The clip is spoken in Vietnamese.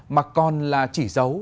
mà còn là chỉ dấu